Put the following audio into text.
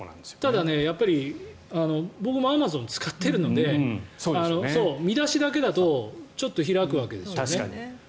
ただ、やっぱり僕もアマゾンを使ってるので見出しだけだとちょっと開くわけですよね。